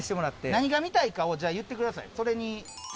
何が見たいかをじゃあ言ってくださいそれに。